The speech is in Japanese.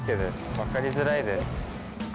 分かりづらいです。